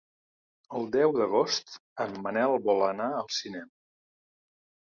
El deu d'agost en Manel vol anar al cinema.